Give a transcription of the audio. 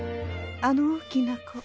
あの大きな子。